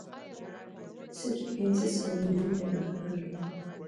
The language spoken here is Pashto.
سږي پنځه سوه ملیونه وېښتان لري.